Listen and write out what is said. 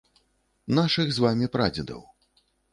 Нашых з вамі прадзедаў.